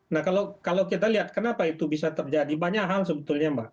nah kalau kita lihat kenapa itu bisa terjadi banyak hal sebetulnya mbak